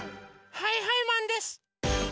はいはいマンです！